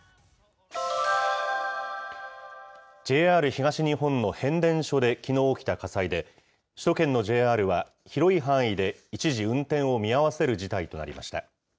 ＪＲ東日本の変電所できのう起きた火災で、首都圏のＪＲは広い範囲で、一時運転を見合わせる事態となりました。